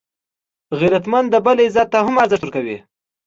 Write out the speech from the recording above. غیرتمند د بل عزت ته هم ارزښت ورکوي